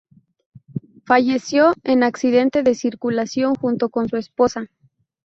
Falleció en accidente de circulación, junto con su esposa.